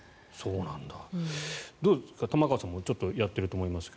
どうですか、玉川さんもちょっとやっていると思いますが。